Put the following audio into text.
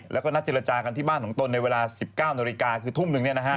แล้วก็นัดเจรจากันที่บ้านของตนในเวลา๑๙นาฬิกาคือทุ่มหนึ่ง